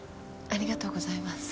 ありがとうございます。